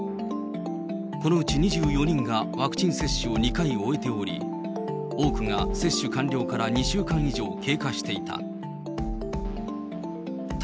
このうち２４人がワクチン接種を２回終えており、多くが接種完了から２週間以上経過していた。